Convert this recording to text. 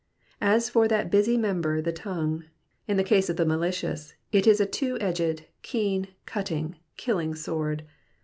As for that busy member the ton^e, in the case of the malicious, it is a two edged, keen, cutting, killing sword.